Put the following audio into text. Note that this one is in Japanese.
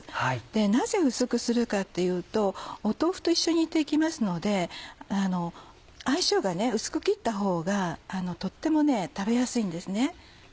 なぜ薄くするかっていうと豆腐と一緒に煮て行きますので相性が薄く切ったほうがとっても食べやすいんですね。